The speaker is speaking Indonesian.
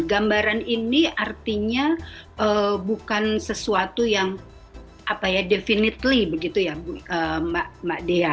gambaran ini artinya bukan sesuatu yang definitely begitu ya mbak dea